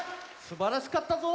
すばらしかったぞ。